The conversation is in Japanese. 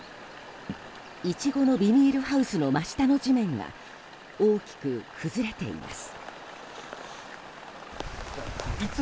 イチゴのビニールハウスの真下の地面が大きく崩れています。